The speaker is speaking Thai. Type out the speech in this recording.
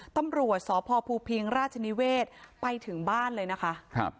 ตำรวจสพภูพิงราชนิเวศไปถึงบ้านเลยนะคะครับ